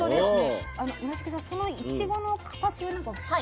村重さんそのいちごの形は？